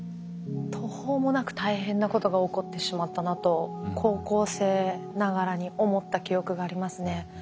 途方もなく大変なことが起こってしまったなと高校生ながらに思った記憶がありますね。